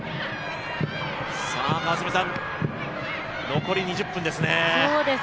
残り２０分ですね。